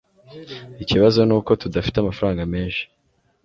Ikibazo nuko tudafite amafaranga menshi